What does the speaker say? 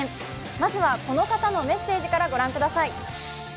まずはこの方のメッセージからご覧ください。